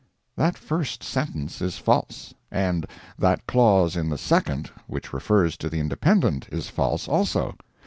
That first sentence is false, and that clause in the second, which refers to the Independent, is false, also.